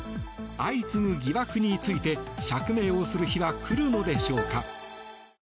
相次ぐ疑惑について釈明をする日は来るのでしょうか。